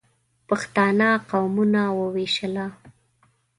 پښتانه قومونه ووېشله.